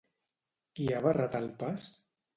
Qui ha barrat el pas?